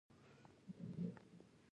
ایا ستاسو مشري منل شوې ده؟